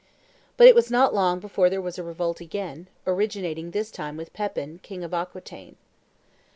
But it was not long before there was revolt again, originating this time with Pepin, king of Aquitaine.